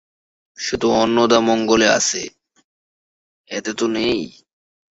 সে তো অন্নদামঙ্গলে আছে, এতে তো নেই?